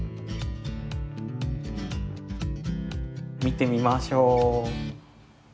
見てみましょう。